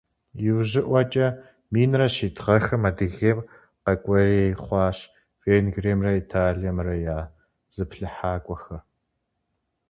Иужьыӏуэкӏэ, минрэ щитӏ гъэхэм, Адыгейм къэкӏуэрей хъуащ Венгриемрэ Италиемрэ я зыплъыхьакӏуэхэр.